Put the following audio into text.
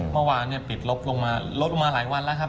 เมื่อวานเนี่ยปิดลบลงมาลดลงมาหลายวันแล้วครับ